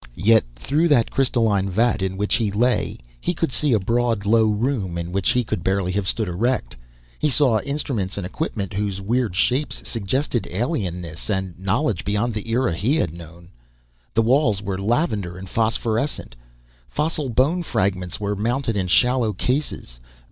Yet, through that crystalline vat in which he lay, he could see a broad, low room, in which he could barely have stood erect. He saw instruments and equipment whose weird shapes suggested alienness, and knowledge beyond the era he had known! The walls were lavender and phosphorescent. Fossil bone fragments were mounted in shallow cases.